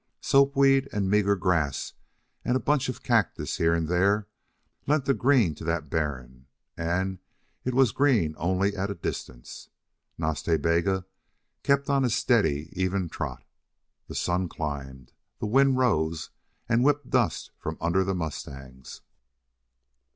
Soapweed and meager grass and a bunch of cactus here and there lent the green to that barren; and it was green only at a distance. Nas Ta Bega kept on a steady, even trot. The sun climbed. The wind rose and whipped dust from under the mustangs.